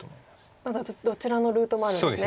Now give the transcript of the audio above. まだどちらのルートもあるんですね。